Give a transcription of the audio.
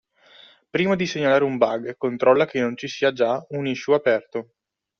Prima di segnalare un bug controlla che non ci sia già un issue aperto